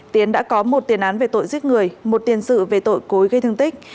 tiến đã có một tiền án về tội giết người một tiền sự về tội cối gây thương tích